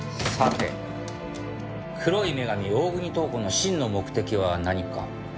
さて黒い女神大國塔子の真の目的は何か？